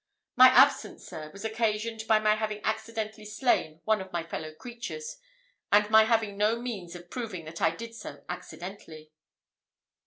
My absence, sir, was occasioned by my having accidentally slain one of my fellow creatures, and my having no means of proving that I did so accidentally."